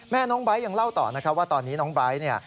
น้องไบท์ยังเล่าต่อนะครับว่าตอนนี้น้องไบท์เนี่ย